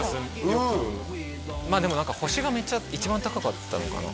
よくまあでも何か星がめっちゃ一番高かったのかな